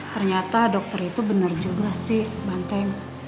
ternyata dokter itu benar juga sih banteng